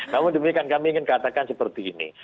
namun demikian kami ingin katakan seperti ini